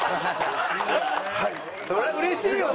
そりゃ嬉しいよね。